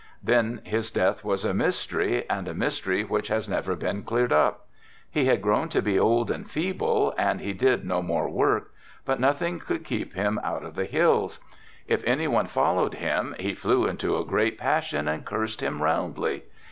Then his death was a mystery and a mystery which has never been cleared up. He had grown to be old and feeble and he did no more work, but nothing could keep him out of the hills. If anyone followed him he flew into a great passion and cursed him roundly.